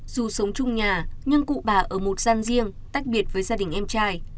dù sống chung nhà nhưng cụ bà ở một gian riêng tách biệt với gia đình em trai